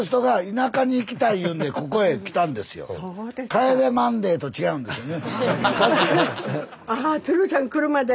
「帰れマンデー」と違うんですよね。